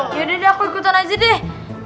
yaudah deh aku ikutan aja deh